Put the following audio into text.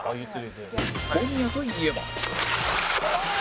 小宮といえば